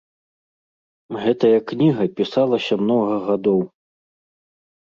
Гэтая кніга пісалася многа гадоў.